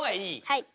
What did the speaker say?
はい。